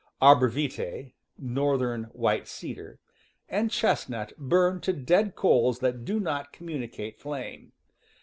Arbor vitse (northern "white cedar") and chestnut burn to dead coals that do not communicate flame.